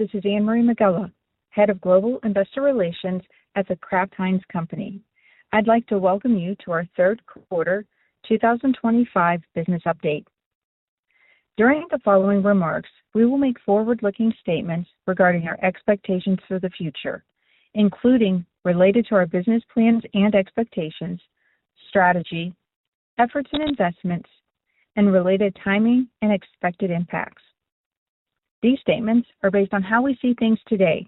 Hi, this is Anne-Marie Megela, Head of Global Investor Relations at The Kraft Heinz Company. I'd like to welcome you to our third quarter 2025 business update. During the following remarks, we will make forward-looking statements regarding our expectations for the future, including related to our business plans and expectations, strategy, efforts and investments, and related timing and expected impacts. These statements are based on how we see things today,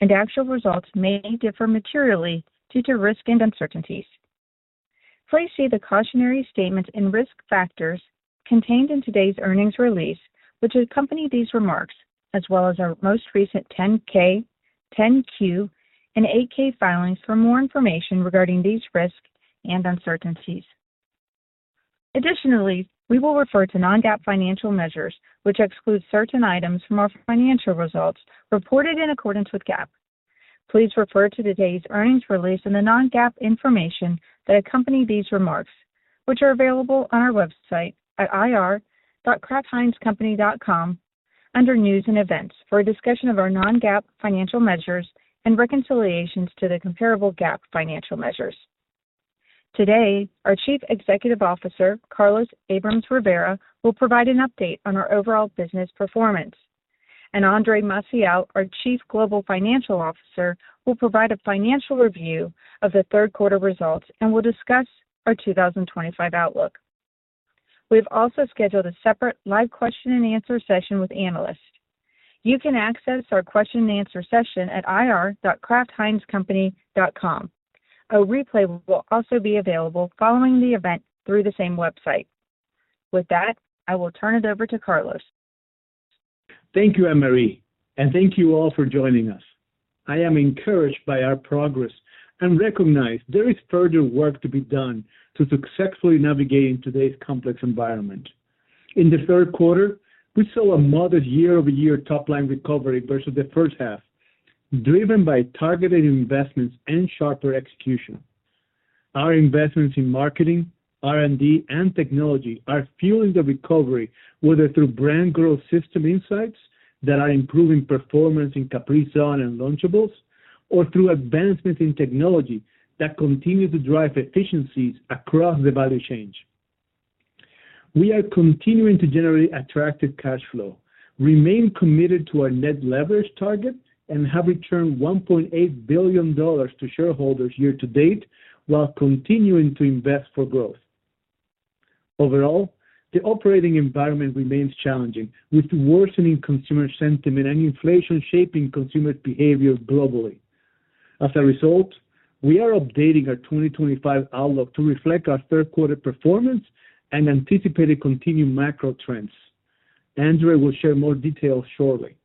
and actual results may differ materially due to risk and uncertainties. Please see the cautionary statements and risk factors contained in today's earnings release, which accompany these remarks, as well as our most recent 10-K, 10-Q, and 8-K filings for more information regarding these risks and uncertainties. Additionally, we will refer to non-GAAP financial measures, which exclude certain items from our financial results reported in accordance with GAAP. Please refer to today's earnings release and the non-GAAP information that accompany these remarks, which are available on our website at ir.kraftheinzcompany.com under News and Events for a discussion of our non-GAAP financial measures and reconciliations to the comparable GAAP financial measures. Today, our Chief Executive Officer, Carlos Abrams-Rivera, will provide an update on our overall business performance, and Andre Maciel, our Chief Global Financial Officer, will provide a financial review of the third quarter results and will discuss our 2025 outlook. We have also scheduled a separate live question and answer session with analysts. You can access our question and answer session at ir.kraftheinzcompany.com. A replay will also be available following the event through the same website. With that, I will turn it over to Carlos. Thank you, Anne-Marie, and thank you all for joining us. I am encouraged by our progress and recognize there is further work to be done to successfully navigate today's complex environment. In the third quarter, we saw a modest year-over-year top-line recovery versus the first half, driven by targeted investments and sharper execution. Our investments in Marketing, R&D, and Technology are fueling the recovery, whether through Brand Growth System insights that are improving performance in Capri Sun and Lunchables, or through advancements in technology that continue to drive efficiencies across the value chain. We are continuing to generate attractive cash flow, remain committed to our net leverage target, and have returned $1.8 billion to shareholders year-to-date while continuing to invest for growth. Overall, the operating environment remains challenging, with worsening consumer sentiment and inflation shaping consumer behavior globally. As a result, we are updating our 2025 outlook to reflect our third-quarter performance and anticipated continued macro trends. Andre will share more details shortly.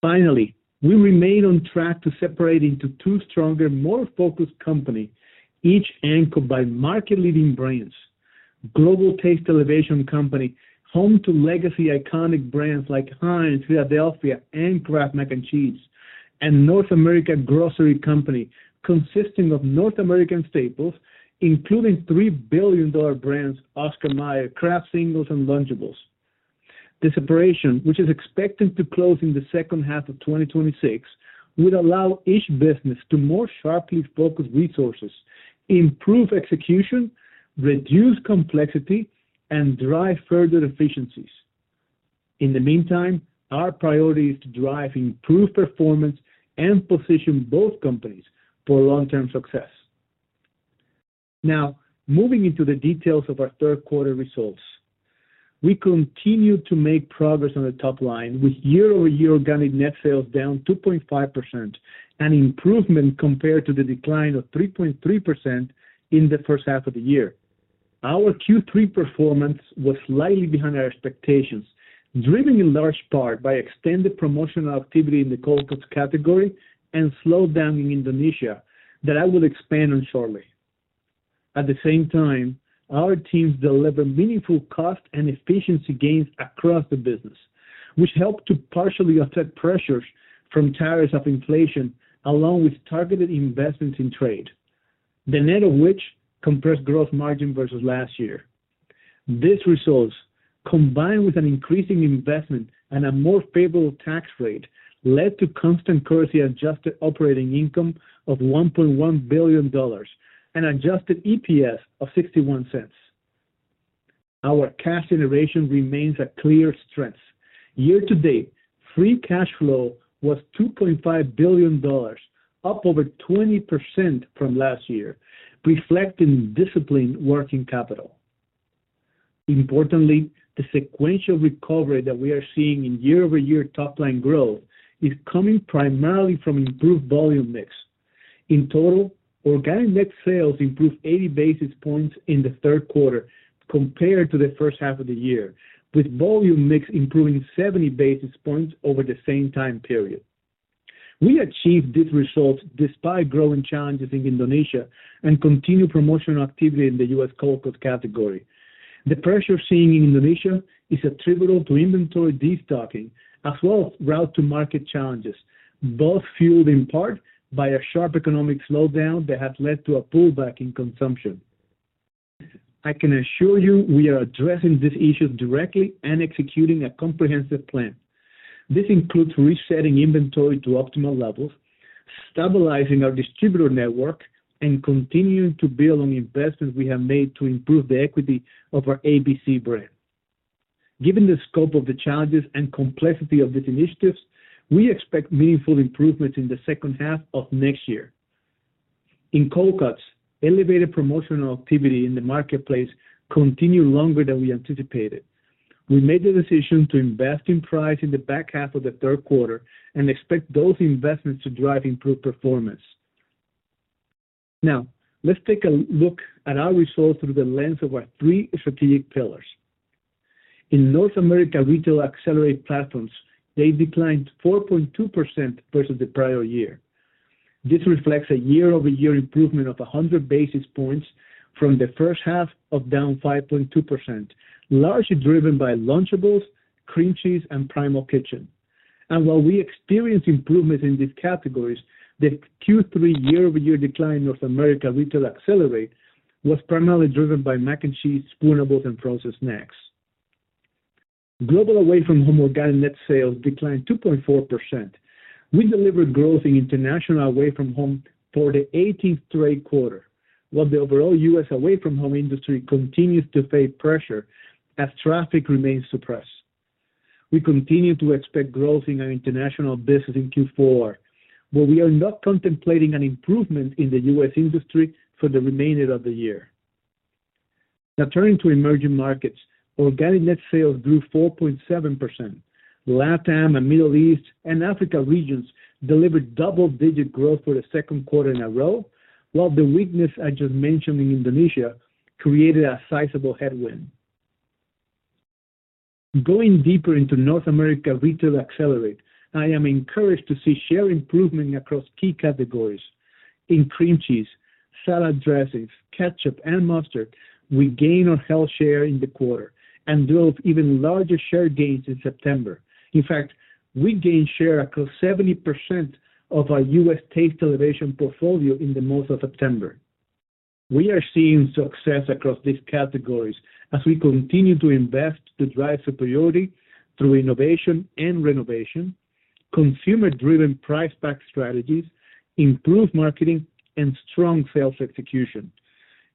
Finally, we remain on track to separate into two stronger, more focused companies, each anchored by market-leading brands: Global Taste Elevation Company, home to legacy iconic brands like Heinz, Philadelphia, and Kraft Mac & Cheese, and North America Grocery Company, consisting of North American staples, including $3 billion brands: Oscar Mayer, Kraft Singles, and Lunchables. The separation, which is expected to close in the second half of 2026, would allow each business to more sharply focus resources, improve execution, reduce complexity, and drive further efficiencies. In the meantime, our priority is to drive improved performance and position both companies for long-term success. Now, moving into the details of our third quarter results, we continue to make progress on the top line, with year-over-year organic net sales down 2.5% and improvement compared to the decline of 3.3% in the first half of the year. Our Q3 performance was slightly behind our expectations, driven in large part by extended promotional activity in the cold cuts category and slowdown in Indonesia that I will expand on shortly. At the same time, our teams deliver meaningful cost and efficiency gains across the business, which helped to partially affect pressures from tariffs of inflation, along with targeted investments in trade, the net of which compressed gross margin versus last year. These results, combined with an increasing investment and a more favorable tax rate, led to Constant Currency Adjusted Operating Income of $1.1 billion and adjusted EPS of $0.61. Our cash generation remains a clear strength. Year-to-date, free cash flow was $2.5 billion, up over 20% from last year, reflecting disciplined working capital. Importantly, the sequential recovery that we are seeing in year-over-year top-line growth is coming primarily from improved volume mix. In total, Organic Net Sales improved 80 basis points in the third quarter compared to the first half of the year, with volume mix improving 70 basis points over the same time period. We achieved these results despite growing challenges in Indonesia and continued promotional activity in the U.S. cold cuts category. The pressure seen in Indonesia is attributable to inventory destocking, as well as route-to-market challenges, both fueled in part by a sharp economic slowdown that has led to a pullback in consumption. I can assure you we are addressing these issues directly and executing a comprehensive plan. This includes resetting inventory to optimal levels, stabilizing our distributor network, and continuing to build on investments we have made to improve the equity of our ABC brand. Given the scope of the challenges and complexity of these initiatives, we expect meaningful improvements in the second half of next year. In cold cuts, elevated promotional activity in the marketplace continued longer than we anticipated. We made the decision to invest in price in the back half of the third quarter and expect those investments to drive improved performance. Now, let's take a look at our results through the lens of our three strategic pillars. In North America Retail Accelerate platforms, they declined 4.2% versus the prior year. This reflects a year-over-year improvement of 100 basis points from the first half of down 5.2%, largely driven by Lunchables, Cream Cheese, and Primal Kitchen. And while we experienced improvements in these categories, the Q3 year-over-year decline in North America Retail Accelerate was primarily driven by Mac & Cheese, spoonables, and frozen snacks. Global Away From Home Organic Net Sales declined 2.4%. We delivered growth in International Away From Home for the 18th straight quarter, while the overall U.S. Away From Home industry continues to face pressure as traffic remains suppressed. We continue to expect growth in our international business in Q4, but we are not contemplating an improvement in the U.S. industry for the remainder of the year. Now, turning to emerging markets, organic net sales grew 4.7%. LATAM, the Middle East, and Africa regions delivered double-digit growth for the second quarter in a row, while the weakness I just mentioned in Indonesia created a sizable headwind. Going deeper into North America Retail Accelerate, I am encouraged to see share improvement across key categories. In cream cheese, salad dressings, ketchup, and mustard, we gained overall share in the quarter and drove even larger share gains in September. In fact, we gained share across 70% of our U.S. Taste Elevation portfolio in the month of September. We are seeing success across these categories as we continue to invest to drive superiority through innovation and renovation, consumer-driven price-pack strategies, improved marketing, and strong sales execution.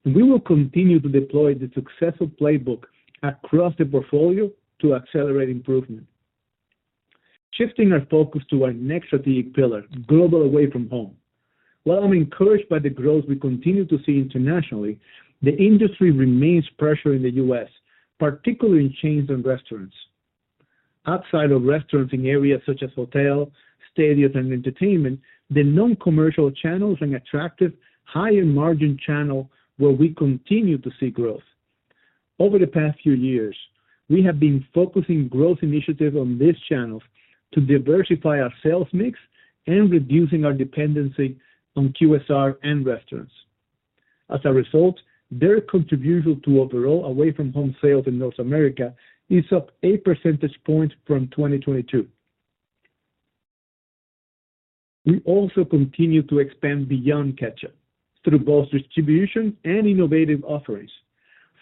We will continue to deploy the successful playbook across the portfolio to accelerate improvement. Shifting our focus to our next strategic pillar, Global Away From Home. While I'm encouraged by the growth we continue to see internationally, the industry remains pressured in the U.S., particularly in chains and restaurants. Outside of restaurants in areas such as hotels, stadiums, and entertainment, the non-commercial channels are an attractive high-margin channel where we continue to see growth. Over the past few years, we have been focusing growth initiatives on these channels to diversify our sales mix and reducing our dependency on QSRs and restaurants. As a result, their contribution to overall Away From Home sales in North America is up 8% points from 2022. We also continue to expand beyond Ketchup through both distribution and innovative offerings.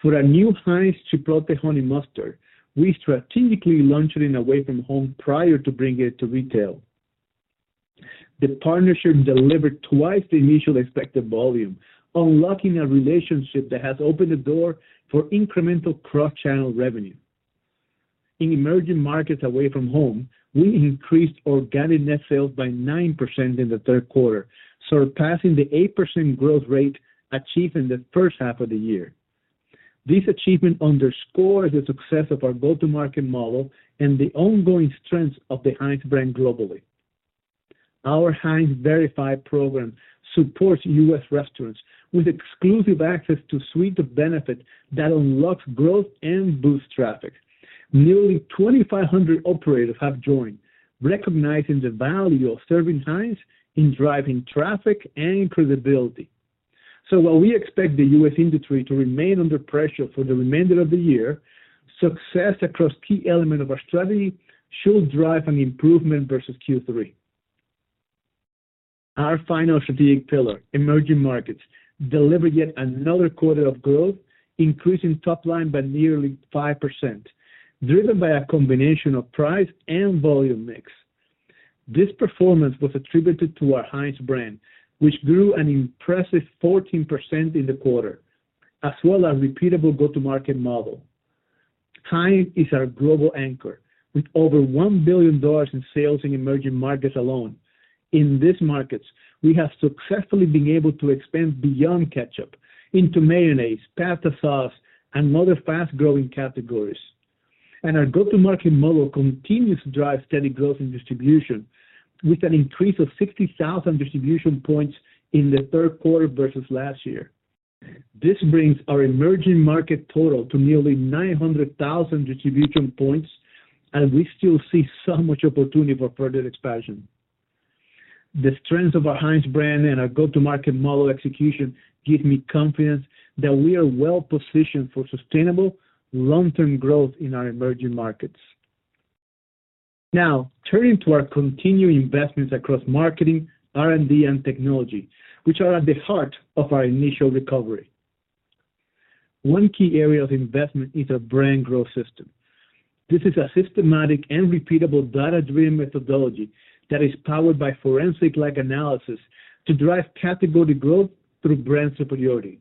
For our new Heinz Chipotle Honey Mustard, we strategically launched it in Away From Home prior to bringing it to retail. The partnership delivered twice the initial expected volume, unlocking a relationship that has opened the door for incremental cross-channel revenue. In Emerging Markets Away From Home, we increased Organic Net Sales by 9% in the third quarter, surpassing the 8% growth rate achieved in the first half of the year. This achievement underscores the success of our go-to-market model and the ongoing strength of the Heinz brand globally. Our Heinz Verified program supports U.S. restaurants with exclusive access to suites of benefits that unlock growth and boost traffic. Nearly 2,500 operators have joined, recognizing the value of serving Heinz in driving traffic and credibility. So, while we expect the U.S. industry to remain under pressure for the remainder of the year, success across key elements of our strategy should drive an improvement versus Q3. Our final strategic pillar, Emerging Markets, delivered yet another quarter of growth, increasing top line by nearly 5%, driven by a combination of price and volume mix. This performance was attributed to our Heinz brand, which grew an impressive 14% in the quarter, as well as a repeatable go-to-market model. Heinz is our global anchor, with over $1 billion in sales in Emerging Markets alone. In these markets, we have successfully been able to expand beyond Ketchup into Mayonnaise, Pasta Sauces, and other fast-growing categories, and our go-to-market model continues to drive steady growth in distribution, with an increase of 60,000 distribution points in the third quarter versus last year. This brings our Emerging Market total to nearly 900,000 distribution points, and we still see so much opportunity for further expansion. The strength of our Heinz brand and our go-to-market model execution gives me confidence that we are well-positioned for sustainable long-term growth in our Emerging Markets. Now, turning to our continued investments across Marketing, R&D, and Technology, which are at the heart of our initial recovery. One key area of investment is our Brand Growth System. This is a systematic and repeatable data-driven methodology that is powered by forensic-like analysis to drive category growth through brand superiority.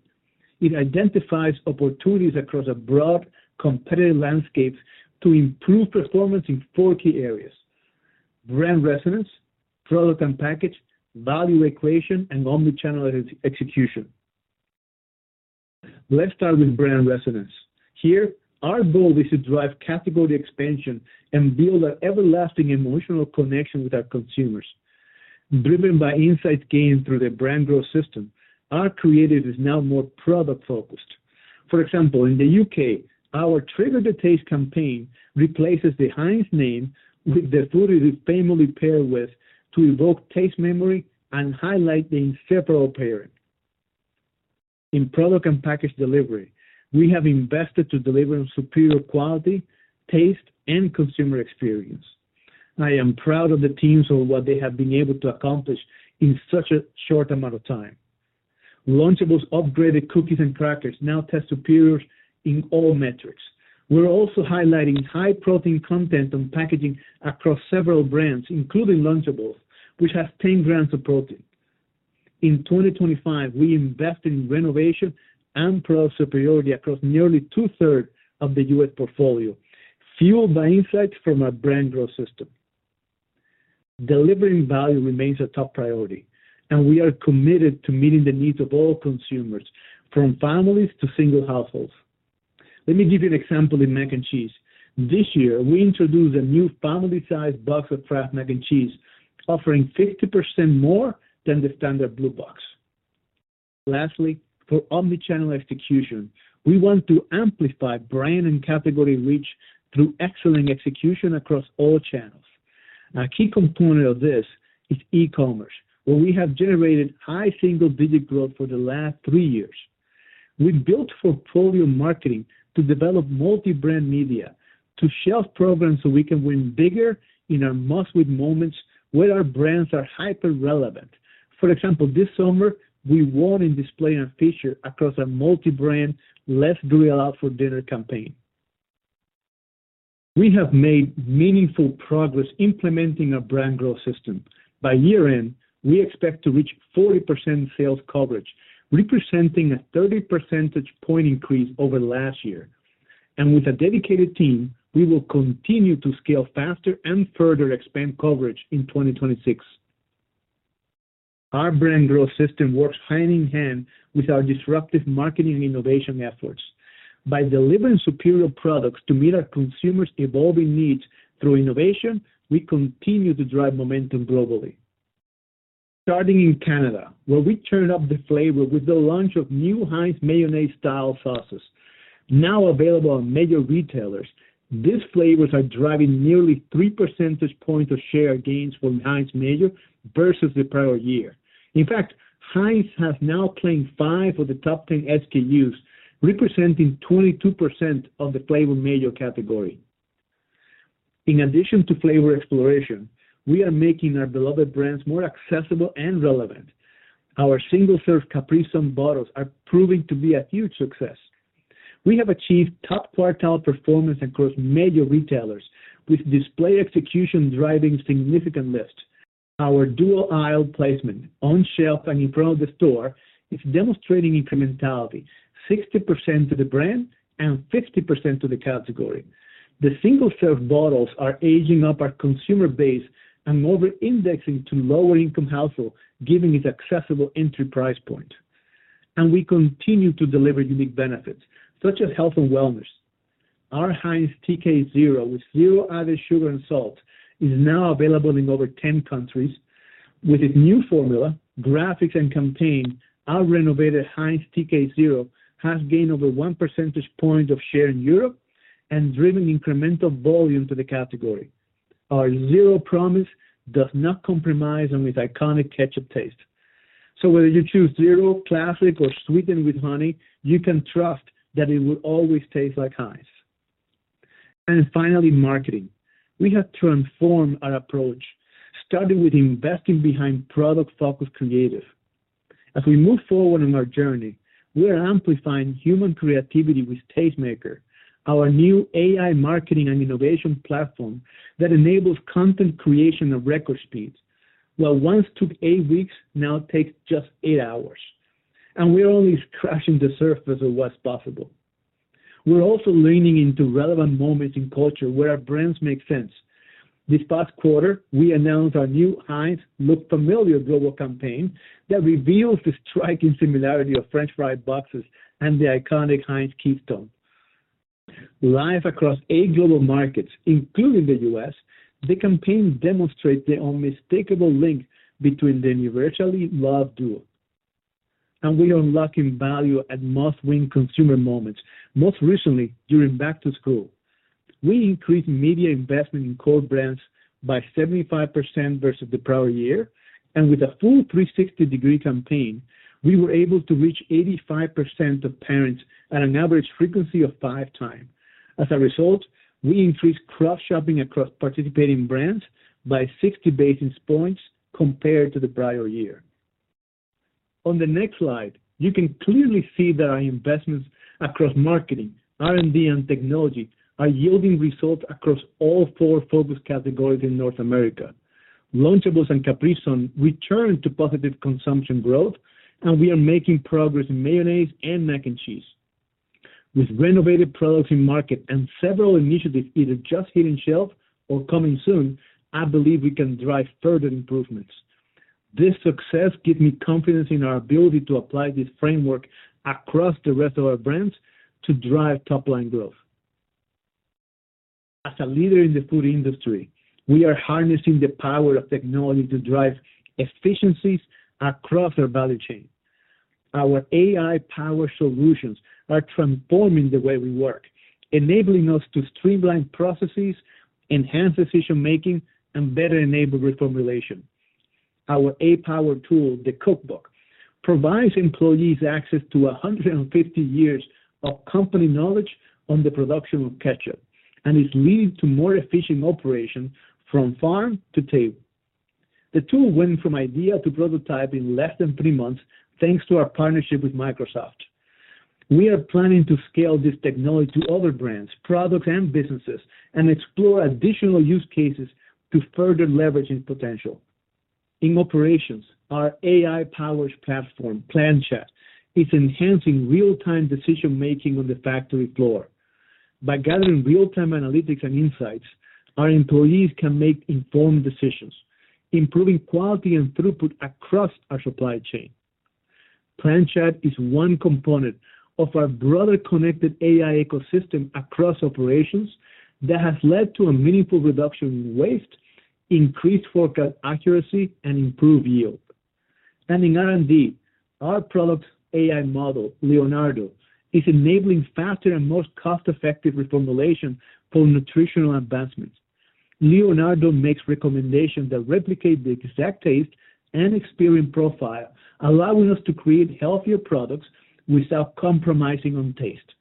It identifies opportunities across a broad competitive landscape to improve performance in four key areas: Brand Resonance, Product and Package, Value Equation, and Omnichannel Execution. Let's start with brand resonance. Here, our goal is to drive category expansion and build an everlasting emotional connection with our consumers. Driven by insights gained through the Brand Growth System, our creative is now more product-focused. For example, in the U.K., our Trigger the Taste campaign replaces the Heinz name with the food it is famously paired with to evoke taste memory and highlight the inseparable pairing. In Product and Package Delivery, we have invested to deliver superior quality, taste, and consumer experience. I am proud of the teams and what they have been able to accomplish in such a short amount of time. Lunchables upgraded cookies and crackers now test superior in all metrics. We're also highlighting high protein content on packaging across several brands, including Lunchables, which has 10 grams of protein. In 2025, we invested in renovation and product superiority across nearly two-thirds of the U.S. portfolio, fueled by insights from our Brand Growth System. Delivering value remains a top priority, and we are committed to meeting the needs of all consumers, from families to single households. Let me give you an example in Mac & Cheese. This year, we introduced a new family-sized box of Kraft Mac & Cheese, offering 50% more than the standard blue box. Lastly, for Omnichannel Execution, we want to amplify brand and category reach through excellent execution across all channels. A key component of this is e-commerce, where we have generated high single-digit growth for the last three years. We built portfolio marketing to develop multi-brand media to shelf programs so we can win bigger in our must-win moments where our brands are hyper-relevant. For example, this summer, we won in display and feature across our multi-brand "Let's Grill Out for Dinner" campaign. We have made meaningful progress implementing our Brand Growth System. By year-end, we expect to reach 40% sales coverage, representing a 30 percentage point increase over last year. And with a dedicated team, we will continue to scale faster and further expand coverage in 2026. Our Brand Growth System works hand in hand with our disruptive marketing and innovation efforts. By delivering superior products to meet our consumers' evolving needs through innovation, we continue to drive momentum globally. Starting in Canada, where we turned up the flavor with the launch of new Heinz Mayonnaise-Style Sauces, now available on major retailers, these flavors are driving nearly three percentage points of share gains for Heinz Mayo versus the prior year. In fact, Heinz has now claimed five of the top 10 SKUs, representing 22% of the flavor Mayo category. In addition to flavor exploration, we are making our beloved brands more accessible and relevant. Our single-serve Capri Sun bottles are proving to be a huge success. We have achieved top quartile performance across major retailers, with display execution driving significant lift. Our dual aisle placement, on shelf and in front of the store, is demonstrating incrementality: 60% to the brand and 50% to the category. The single-serve bottles are aging up our consumer base and over-indexing to lower-income households, giving it an accessible entry price point. And we continue to deliver unique benefits, such as health and wellness. Our Heinz TK Zero, with zero added sugar and salt, is now available in over 10 countries. With its new formula, graphics, and campaign, our renovated Heinz TK Zero has gained over one percentage point of share in Europe and driven incremental volume to the category. Our zero promise does not compromise on its iconic ketchup taste. So whether you choose Zero Classic, or Sweetened with Honey, you can trust that it will always taste like Heinz. And finally, Marketing. We have transformed our approach, starting with investing behind product-focused creative. As we move forward on our journey, we are amplifying human creativity with TasteMaker, our new AI marketing and innovation platform that enables content creation at record speeds. What once took eight weeks now takes just eight hours. And we're only scratching the surface of what's possible. We're also leaning into relevant moments in culture where our brands make sense. This past quarter, we announced our new Heinz Look Familiar global campaign that reveals the striking similarity of French fry boxes and the iconic Heinz Keystone. Live across eight global markets, including the U.S., the campaign demonstrates the unmistakable link between the universally loved duo. And we are unlocking value at must-win consumer moments, most recently during Back-To-School. We increased media investment in core brands by 75% versus the prior year. And with a full 360-degree campaign, we were able to reach 85% of parents at an average frequency of five times. As a result, we increased cross-shopping across participating brands by 60 basis points compared to the prior year. On the next slide, you can clearly see that our investments across Marketing, R&D, and Technology are yielding results across all four focus categories in North America. Lunchables and Capri Sun returned to positive consumption growth, and we are making progress in Mayonnaise and Mac & Cheese. With renovated products in market and several initiatives either just hitting shelf or coming soon, I believe we can drive further improvements. This success gives me confidence in our ability to apply this framework across the rest of our brands to drive top-line growth. As a leader in the food industry, we are harnessing the power of technology to drive efficiencies across our value chain. Our AI-powered solutions are transforming the way we work, enabling us to streamline processes, enhance decision-making, and better enable reformulation. Our AI-powered tool, the Cookbook, provides employees access to 150 years of company knowledge on the production of Ketchup and is leading to more efficient operations from farm to table. The tool went from idea to prototype in less than three months, thanks to our partnership with Microsoft. We are planning to scale this technology to other brands, products, and businesses and explore additional use cases to further leverage its potential. In operations, our AI-powered platform, Plant Chat, is enhancing real-time decision-making on the factory floor. By gathering real-time analytics and insights, our employees can make informed decisions, improving quality and throughput across our supply chain. Plant Chat is one component of our broader connected AI ecosystem across operations that has led to a meaningful reduction in waste, increased forecast accuracy, and improved yield. And in R&D, our product AI model, Leonardo, is enabling faster and more cost-effective reformulation for nutritional advancements. Leonardo makes recommendations that replicate the exact taste and experience profile, allowing us to create healthier products without compromising on taste.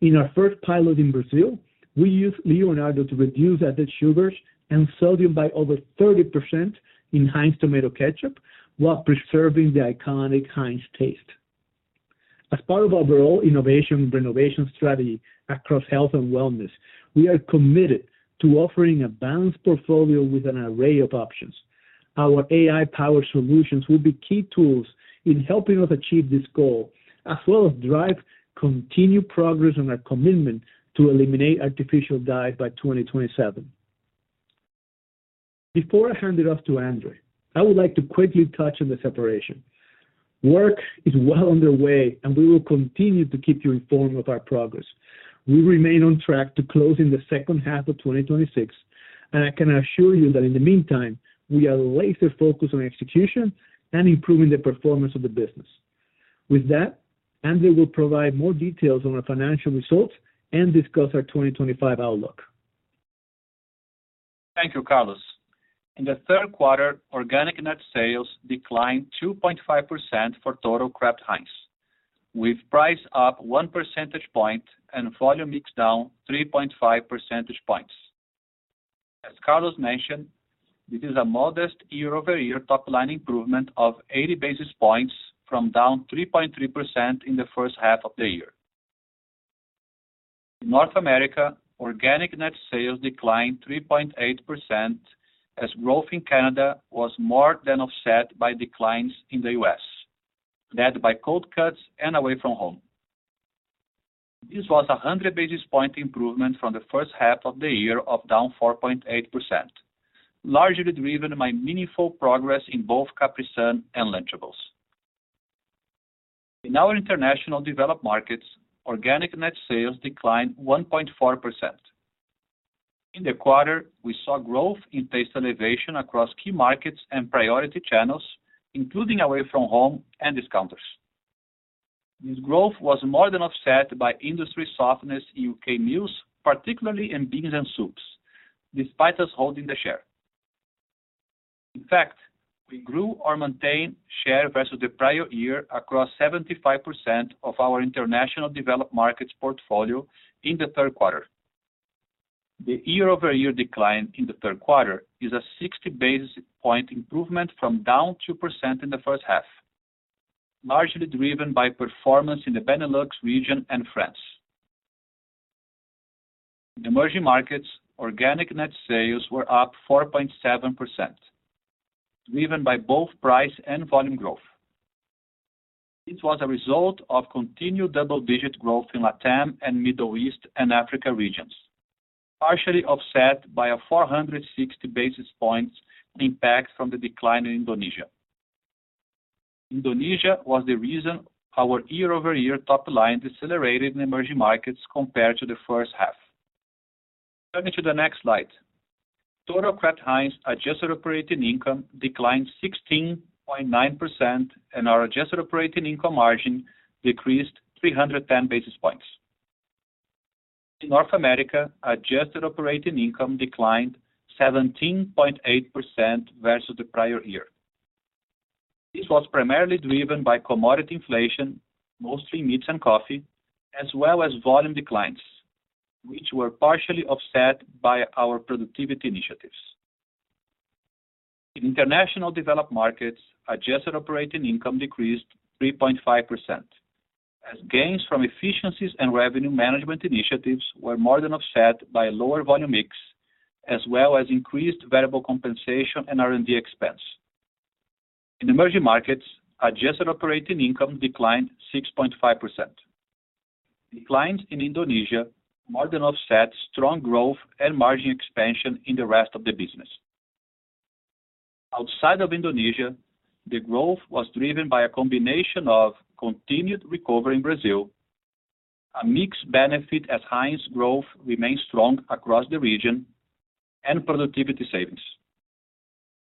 In our first pilot in Brazil, we used Leonardo to reduce added sugars and sodium by over 30% in Heinz Tomato Ketchup while preserving the iconic Heinz taste. As part of our overall innovation and renovation strategy across health and wellness, we are committed to offering a balanced portfolio with an array of options. Our AI-powered solutions will be key tools in helping us achieve this goal, as well as drive continued progress on our commitment to eliminate artificial dyes by 2027. Before I hand it off to Andre, I would like to quickly touch on the separation. Work is well underway, and we will continue to keep you informed of our progress. We remain on track to close in the second half of 2026, and I can assure you that in the meantime, we are laser-focused on execution and improving the performance of the business. With that, Andre will provide more details on our financial results and discuss our 2025 outlook. Thank you, Carlos. In the third quarter, Organic Net Sales declined 2.5% for total Kraft Heinz, with price up 1 percentage point and volume mixed down 3.5 percentage points. As Carlos mentioned, this is a modest year-over-year top-line improvement of 80 basis points from down 3.3% in the first half of the year. In North America, Organic Net Sales declined 3.8%, as growth in Canada was more than offset by declines in the U.S., led by cold cuts and Away From Home. This was a 100 basis point improvement from the first half of the year of down 4.8%, largely driven by meaningful progress in both Capri Sun and Lunchables. In our international Developed Markets, Organic Net Sales declined 1.4%. In the quarter, we saw growth in Taste Elevation across key markets and priority channels, including Away From Home and discounters. This growth was more than offset by industry softness in U.K. meals, particularly in beans and soups, despite us holding the share. In fact, we grew or maintained share versus the prior year across 75% of our international Developed Markets portfolio in the third quarter. The year-over-year decline in the third quarter is a 60 basis point improvement from down 2% in the first half, largely driven by performance in the Benelux region and France. In Emerging Markets, Organic Net Sales were up 4.7%, driven by both price and volume growth. This was a result of continued double-digit growth in LATAM and Middle East and Africa regions, partially offset by a 460 basis point impact from the decline in Indonesia. Indonesia was the reason our year-over-year top-line decelerated in Emerging Markets compared to the first half. Turning to the next slide, total Kraft Heinz adjusted Operating Income declined 16.9%, and our Adjusted Operating Income Margin decreased 310 basis points. In North America, Adjusted Operating Income declined 17.8% versus the prior year. This was primarily driven by commodity inflation, mostly meats and coffee, as well as volume declines, which were partially offset by our productivity initiatives. In international Developed Markets, Adjusted Operating Income decreased 3.5%, as gains from efficiencies and revenue management initiatives were more than offset by lower volume mix, as well as increased variable compensation and R&D expense. In Emerging Markets, Adjusted Operating Income declined 6.5%. Declines in Indonesia more than offset strong growth and margin expansion in the rest of the business. Outside of Indonesia, the growth was driven by a combination of continued recovery in Brazil, a mixed benefit as Heinz growth remained strong across the region, and productivity savings.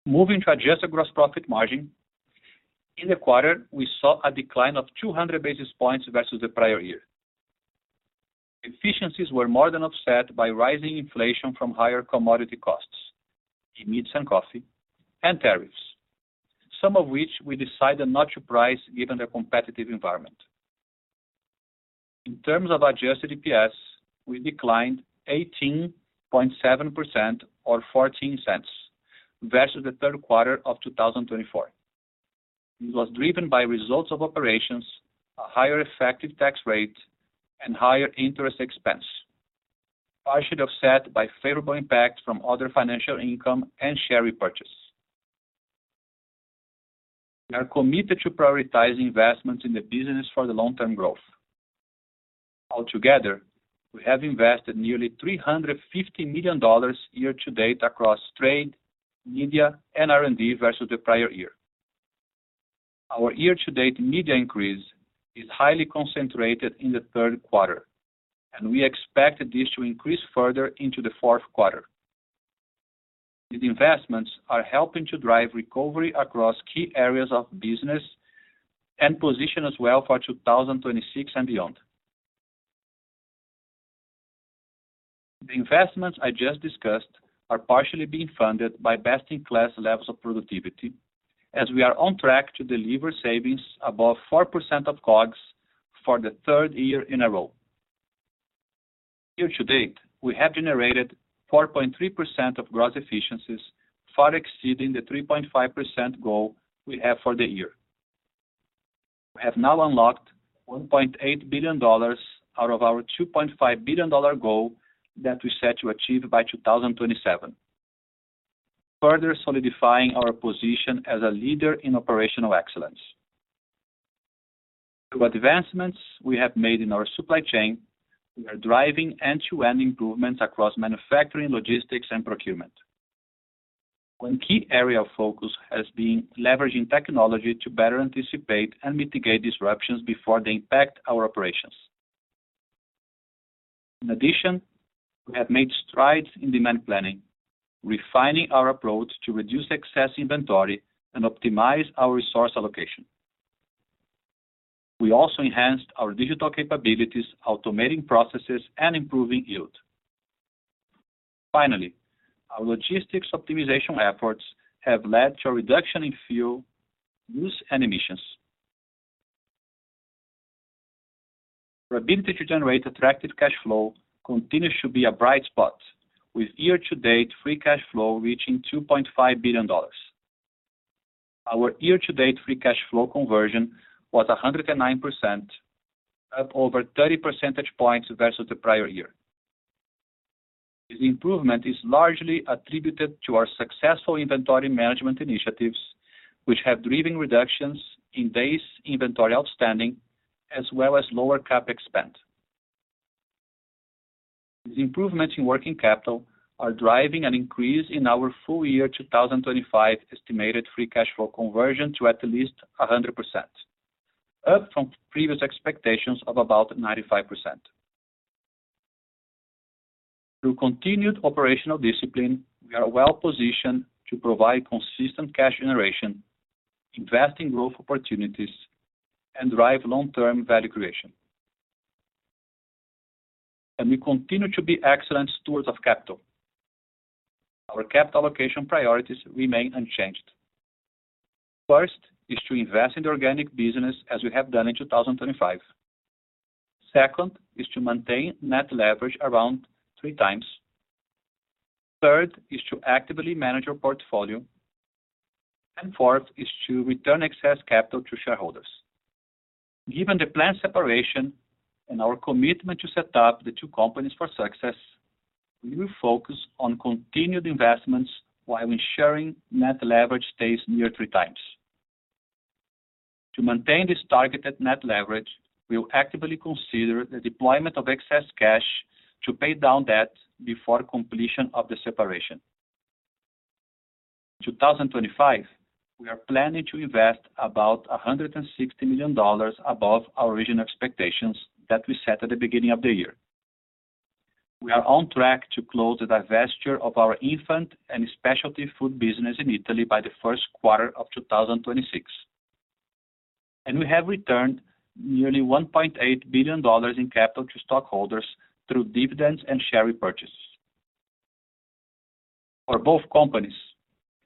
Moving to Adjusted Gross Profit Margin, in the quarter, we saw a decline of 200 basis points versus the prior year. Efficiencies were more than offset by rising inflation from higher commodity costs in meats and coffee and tariffs, some of which we decided not to price given the competitive environment. In terms of Adjusted EPS, we declined 18.7% or $0.14 versus the third quarter of 2024. This was driven by results of operations, a higher effective tax rate, and higher interest expense, partially offset by favorable impact from other financial income and share repurchase. We are committed to prioritizing investments in the business for the long-term growth. Altogether, we have invested nearly $350 million year-to-date across trade, media, and R&D versus the prior year. Our year-to-date media increase is highly concentrated in the third quarter, and we expect this to increase further into the fourth quarter. These investments are helping to drive recovery across key areas of business and position us well for 2026 and beyond. The investments I just discussed are partially being funded by best-in-class levels of productivity, as we are on track to deliver savings above 4% of COGS for the third year in a row. Year-to-date, we have generated 4.3% of gross efficiencies, far exceeding the 3.5% goal we have for the year. We have now unlocked $1.8 billion out of our $2.5 billion goal that we set to achieve by 2027, further solidifying our position as a leader in operational excellence. Through advancements we have made in our supply chain, we are driving end-to-end improvements across manufacturing, logistics, and procurement. One key area of focus has been leveraging technology to better anticipate and mitigate disruptions before they impact our operations. In addition, we have made strides in demand planning, refining our approach to reduce excess inventory and optimize our resource allocation. We also enhanced our digital capabilities, automating processes and improving yield. Finally, our logistics optimization efforts have led to a reduction in fuel, use, and emissions. Our ability to generate attractive cash flow continues to be a bright spot, with year-to-date free cash flow reaching $2.5 billion. Our year-to-date free cash flow conversion was 109%, up over 30 percentage points versus the prior year. This improvement is largely attributed to our successful inventory management initiatives, which have driven reductions in Days Inventory Outstanding, as well as lower CapEx spend. These improvements in working capital are driving an increase in our full year 2025 estimated free cash flow conversion to at least 100%, up from previous expectations of about 95%. Through continued operational discipline, we are well positioned to provide consistent cash generation, invest in growth opportunities, and drive long-term value creation, and we continue to be excellent stewards of capital. Our capital allocation priorities remain unchanged. First is to invest in the organic business, as we have done in 2025. Second is to maintain net leverage around 3x. Third is to actively manage our portfolio. And fourth is to return excess capital to shareholders. Given the planned separation and our commitment to set up the two companies for success, we will focus on continued investments while ensuring net leverage stays near 3x. To maintain this targeted net leverage, we will actively consider the deployment of excess cash to pay down debt before completion of the separation. In 2025, we are planning to invest about $160 million above our original expectations that we set at the beginning of the year. We are on track to close the divestiture of our infant and specialty food business in Italy by the first quarter of 2026, and we have returned nearly $1.8 billion in capital to stockholders through dividends and share repurchases. For both companies,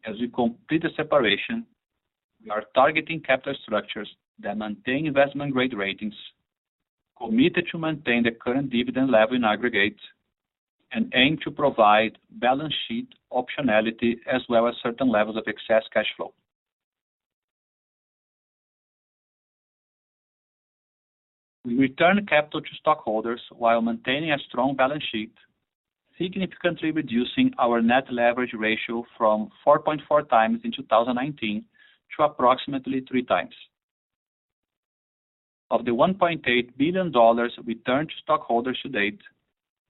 as we complete the separation, we are targeting capital structures that maintain investment-grade ratings, committed to maintain the current dividend level in aggregate, and aim to provide balance sheet optionality as well as certain levels of excess cash flow. We return capital to stockholders while maintaining a strong balance sheet, significantly reducing our net leverage ratio from 4.4x in 2019 to approximately 3x. Of the $1.8 billion returned to stockholders to date,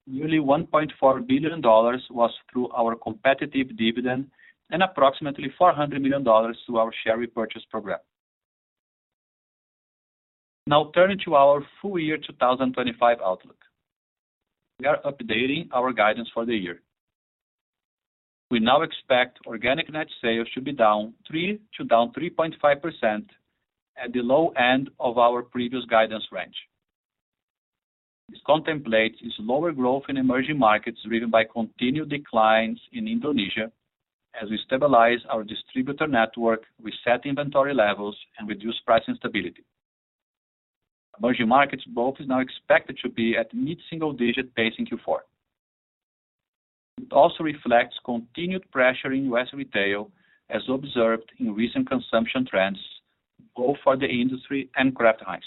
nearly $1.4 billion was through our competitive dividend and approximately $400 million through our share repurchase program. Now, turning to our full year 2025 outlook, we are updating our guidance for the year. We now expect Organic Net Sales to be down 3% to down 3.5% at the low end of our previous guidance range. This contemplates slower growth in Emerging Markets driven by continued declines in Indonesia, as we stabilize our distributor network, reset inventory levels, and reduce price instability. Emerging Markets growth is now expected to be at mid-single-digit pace in Q4. It also reflects continued pressure in U.S. Retail, as observed in recent consumption trends both for the industry and Kraft Heinz.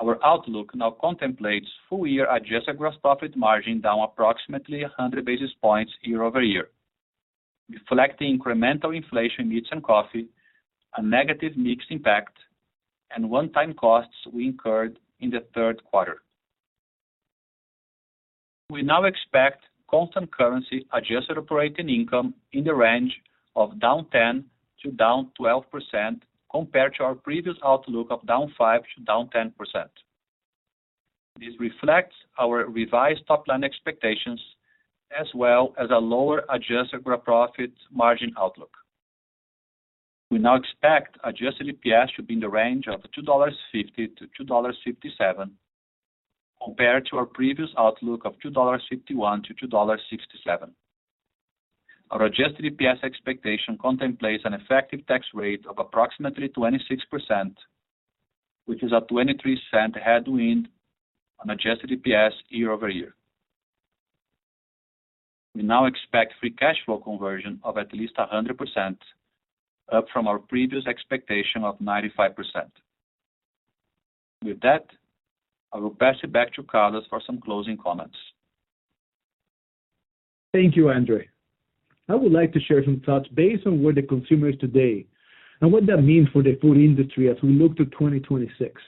Our outlook now contemplates full-year Adjusted Gross Profit Margin down approximately 100 basis points year-over-year, reflecting incremental inflation in meats and coffee, a negative mixed impact, and one-time costs we incurred in the third quarter. We now expect Constant Currency Adjusted Operating Income in the range of down 10% to down 12% compared to our previous outlook of down 5% to down 10%. This reflects our revised top-line expectations, as well as a lower Adjusted Gross Profit Margin Outlook. We now expect Adjusted EPS to be in the range of $2.50 to $2.57 compared to our previous outlook of $2.51 to $2.67. Our Adjusted EPS expectation contemplates an effective tax rate of approximately 26%, which is a 23% headwind on Adjusted EPS year-over-year. We now expect Free Cash Flow Conversion of at least 100%, up from our previous expectation of 95%. With that, I will pass it back to Carlos for some closing comments. Thank you, Andre. I would like to share some thoughts based on where the consumer is today and what that means for the food industry as we look to 2026.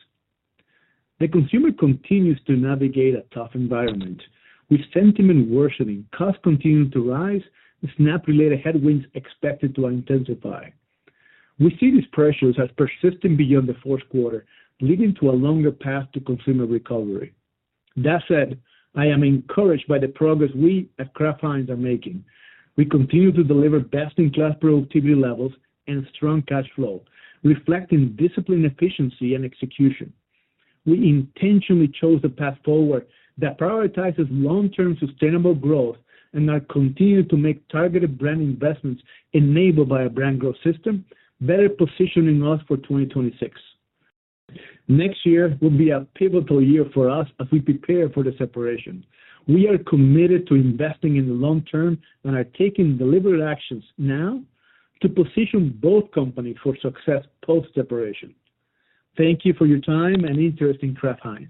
The consumer continues to navigate a tough environment with sentiment worsening, costs continuing to rise, and SNAP-related headwinds expected to intensify. We see these pressures as persisting beyond the fourth quarter, leading to a longer path to consumer recovery. That said, I am encouraged by the progress we at Kraft Heinz are making. We continue to deliver best-in-class productivity levels and strong cash flow, reflecting discipline, efficiency, and execution. We intentionally chose a path forward that prioritizes long-term sustainable growth and are continuing to make targeted brand investments enabled by a Brand Growth System, better positioning us for 2026. Next year will be a pivotal year for us as we prepare for the separation. We are committed to investing in the long term and are taking deliberate actions now to position both companies for success post-separation. Thank you for your time and interest in Kraft Heinz.